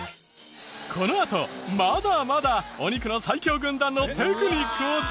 このあとまだまだお肉の最強軍団のテクニックを大公開！